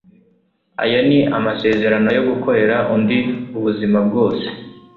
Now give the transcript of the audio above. ayo ni amasezerano yo gukorera undi ubuzima bwose